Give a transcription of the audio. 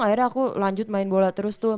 akhirnya aku lanjut main bola terus tuh